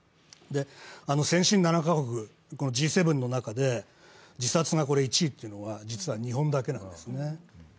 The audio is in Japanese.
先進７カ国、Ｇ７の中で自殺が１位というのは実は日本だけなんですね。